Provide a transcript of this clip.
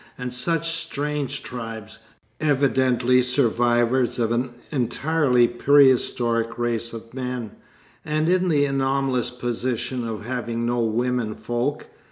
And such strange tribes, evidently survivors of an entirely prehistoric race of men, and in the anomalous position of having no women folk.